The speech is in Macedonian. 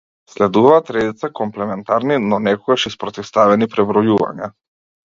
Следуваат редица комплементарни, но некогаш и спротивставени пребројувања.